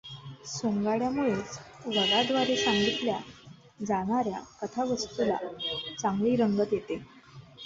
सोंगाड्यामुळेच वगाद्वारे सांगितल्या जाणार् या कथावस्तूला चांगली रंगत येते.